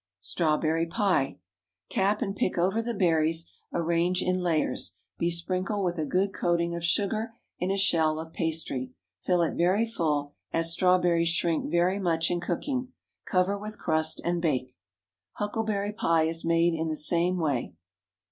STRAWBERRY PIE. Cap and pick over the berries, arrange in layers, besprinkle with a good coating of sugar, in a shell of pastry. Fill it very full, as strawberries shrink very much in cooking. Cover with crust and bake. Huckleberry pie is made in the same way.